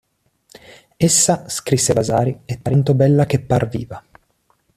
Essa, scrisse Vasari, "è tanto bella che par viva".